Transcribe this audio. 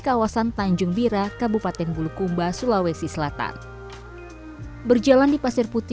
kawasan tanjung bira kabupaten bulukumba sulawesi selatan berjalan di pasir putih